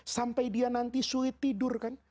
sampai dia nanti sulit tidur kan